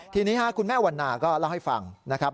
ทีนี้คุณแม่วันนาก็เล่าให้ฟังนะครับ